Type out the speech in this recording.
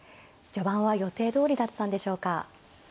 序盤は予定どおりだったんでしょうか。